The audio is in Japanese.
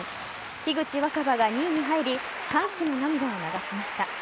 樋口新葉が２位に入り歓喜の涙を流しました。